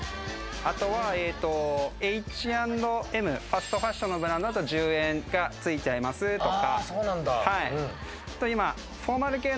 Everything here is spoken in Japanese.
あとはＨ＆Ｍ、ファストファッションのブランドだと１０円がついちゃいますとか。